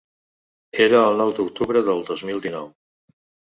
Era el nou d’octubre de dos mil nou.